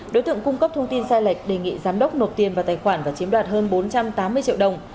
đối tượng cung cấp thông tin sai lệch đề nghị giám đốc nộp tiền vào tài khoản và chiếm đoạt hơn bốn trăm tám mươi triệu đồng